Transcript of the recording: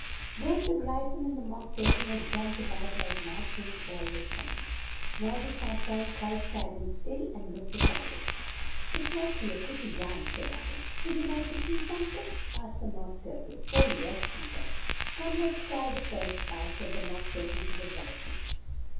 Both the Gry phon and the Mock Tur tle had jumped a bout like mad things all this time. Now they sat down quite sad and still, and looked at Al ice. "It must be a pret ty dance," said Al ice. "Would you like to see some of it?" asked the Mock Tur tle. "Oh, yes," she said. "Come, let's try the first part!" said the Mock Tur tle to the Gry phon.